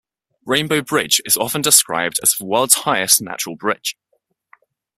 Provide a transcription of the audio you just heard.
Rainbow Bridge is often described as the world's highest natural bridge.